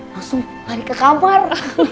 langsung lari ke kamar